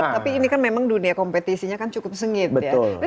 tapi ini kan memang dunia kompetisinya kan cukup sengit ya